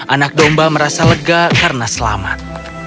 anak domba merasa lega karena selamat